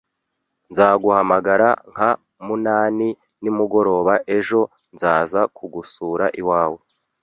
Nzaguhamagara nka munani nimugoroba Ejo nzaza kugusura iwawe.